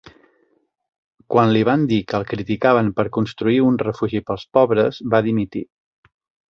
Quan li van dir que el criticaven per construir un refugi pels pobres, va dimitir.